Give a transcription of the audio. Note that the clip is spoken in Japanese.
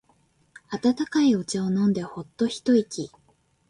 温かいお茶を飲んでホッと一息。